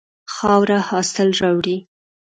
خاوره حاصل راوړي.